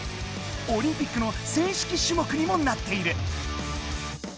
オリンピックの正式種目にもなっている！